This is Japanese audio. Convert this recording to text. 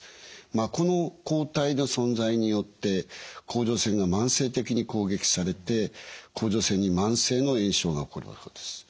この抗体の存在によって甲状腺が慢性的に攻撃されて甲状腺に慢性の炎症が起こるわけです。